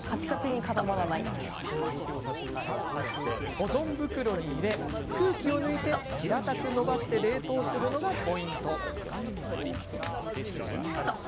保存袋に入れ、空気を抜いて平たくのばして冷凍するのがポイント。